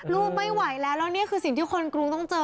ลูกไม่ไหวแล้วแล้วนี่คือสิ่งที่คนกรุงต้องเจอ